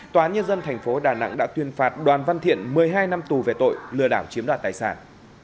tòa nhân dân thành phố đà nẵng đã tuyên phạt đoàn văn thiện một mươi hai năm tù về tội lừa đảo chiếm đoạt tài sản